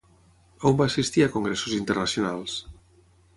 On va assistir a congressos internacionals?